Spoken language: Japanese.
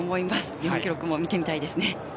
日本記録も見てみたいですね。